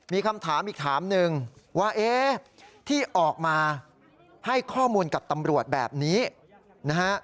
มีคำถามอีกถามหนึ่งว่าเอ๊ะที่ออกมาให้ข้อมูลกับตำรวจแบบนี้นะฮะ